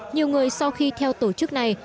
nhiều người sau khi theo tổ chức này